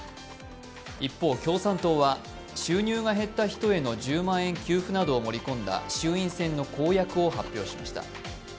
一方、共産党は収入が減った人への１０万円給付などを盛り込んだ衆院選の公約を発表しました。